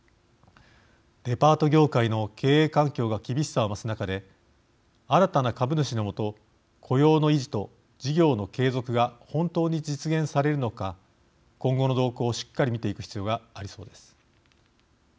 デパート業界の経営環境が厳しさを増す中で新たな株主の下雇用の維持と事業の継続が本当に実現されるのか今後の動向をしっかり見ていく必要がありそうです。